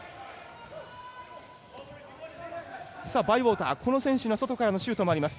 バイウォーターの外からのシュートもあります。